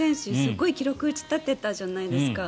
すごい記録を打ち立てたじゃないですか。